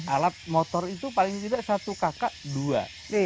alat motor itu paling tidak satu kakak dua